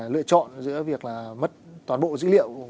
lựa chọn giữa việc là mất toàn bộ dữ liệu